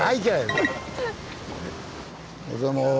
おはようございます。